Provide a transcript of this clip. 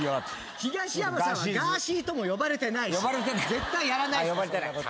東山さんはガーシーとも呼ばれてないし絶対やらないそんなこと。